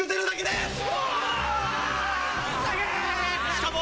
しかも。